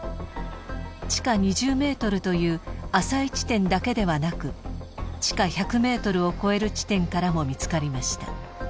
地下２０メートルという浅い地点だけではなく地下１００メートルを超える地点からも見つかりました。